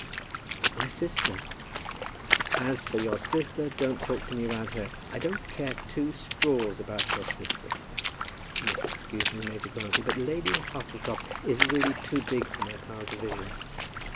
"But my sister " "As for your sister, don't talk to me about her. I don't care two straws about your sister. You must excuse me, Major Grantly, but Lady Hartletop is really too big for my powers of vision."